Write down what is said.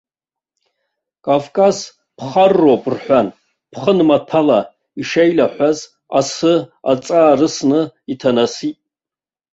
Кавказ ԥхарроуп рҳәан, ԥхын маҭәала ишеилаҳәаз асы, аҵаа рысны иҭанасит.